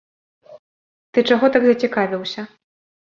Ты чаго так зацікавіўся?